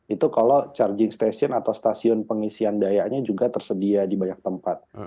itu kalau charging station atau stasiun pengisian dayanya juga tersedia di banyak tempat